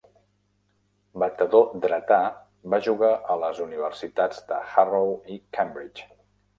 Batedor dretà, va jugar a les universitats de Harrow i Cambridge.